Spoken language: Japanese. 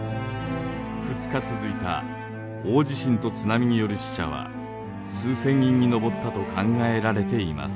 ２日続いた大地震と津波による死者は数千人に上ったと考えられています。